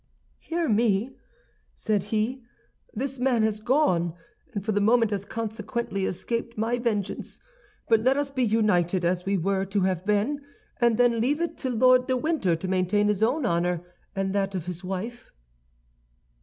"'Hear me,' said he; 'this man has gone, and for the moment has consequently escaped my vengeance; but let us be united, as we were to have been, and then leave it to Lord de Winter to maintain his own honor and that of his wife.